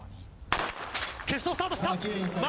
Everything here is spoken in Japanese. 決勝スタートした。